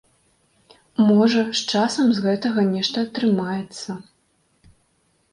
Можа, з часам з гэтага нешта атрымаецца.